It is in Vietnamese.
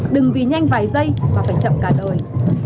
đừng vì nhanh vài giây mà phải chậm cả đời